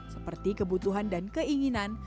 seperti kebutuhan dan keinginan